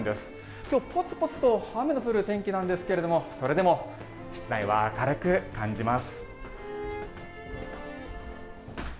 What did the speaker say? きょう、ぽつぽつと雨が降る天気なんですがそれでも、室内は明るく感じます。